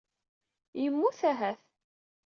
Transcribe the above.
Yemmut ahat.